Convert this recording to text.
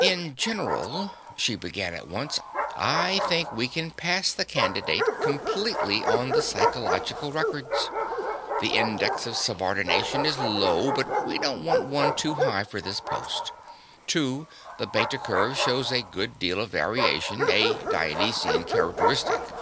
"In general," she began at once, "I think we can pass the candidate completely on the psychological records. The Index of Subordination is low, but we don't want one too high for this post. Too, the Beta curve shows a good deal of variation, a Dionysian characteristic.